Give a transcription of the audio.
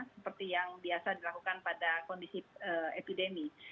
seperti yang biasa dilakukan pada kondisi epidemi